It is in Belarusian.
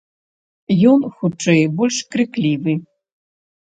Ён, хутчэй, больш крыклівы.